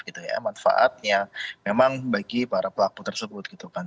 manfaatnya memang bagi para pelaku tersebut gitu kan